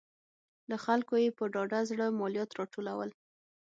له خلکو یې په ډاډه زړه مالیات راټولول.